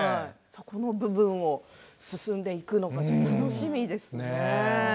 その部分を進んでいくのかちょっと楽しみですね。